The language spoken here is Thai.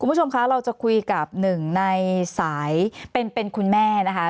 คุณผู้ชมคะเราจะคุยกับหนึ่งในสายเป็นคุณแม่นะคะ